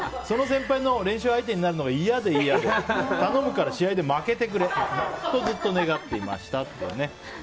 その先輩の練習相手になるのが嫌で嫌で頼むから試合で負けてくれとずっと願っていましたと。